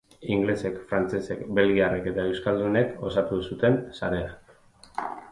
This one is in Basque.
Ingelesek, frantsesek, belgiarrek eta euskaldunek osatu zuten sarea.